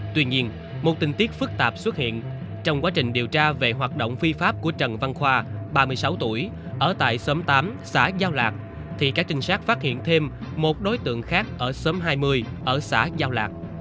tuy nhiên một tình tiết phức tạp xuất hiện trong quá trình điều tra về hoạt động phi pháp của trần văn khoa ba mươi sáu tuổi ở tại xóm tám xã giao lạc thì các trinh sát phát hiện thêm một đối tượng khác ở xóm hai mươi ở xã giao lạc